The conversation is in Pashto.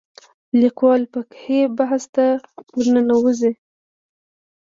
لیکوال فقهي بحث ته نه ورننوځي